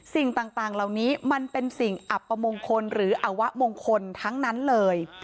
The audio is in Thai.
สิ่งต่างเหล่านี้มันเป็นสิ่งอับประมงคลหรืออวะมงคลทั้งนั้นเลย